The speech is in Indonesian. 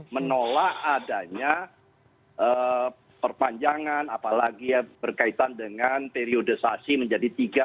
menolak adanya perpanjangan apalagi berkaitan dengan periodisasi menjadi tiga